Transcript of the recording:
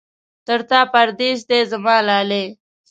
تر تا پردېس دی زما لالی.